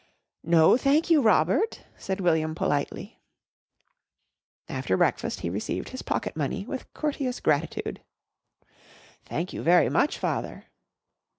"No thank you, Robert," said William politely. After breakfast he received his pocket money with courteous gratitude. "Thank you very much, Father."